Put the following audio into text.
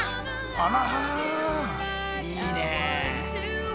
あらいいね。